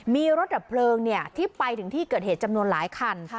มีรถดับเพลิงที่ไปถึงที่เกิดเหตุจำนวนหลายคัน